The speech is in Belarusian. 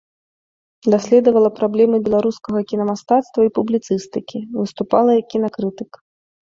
Даследавала праблемы беларускага кінамастацтва і публіцыстыкі, выступала як кінакрытык.